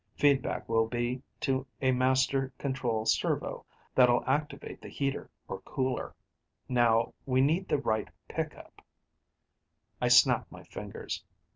Feedback will be to a master control servo that'll activate the heater or cooler. Now, we need the right pickup " I snapped my fingers.